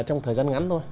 trong thời gian ngắn thôi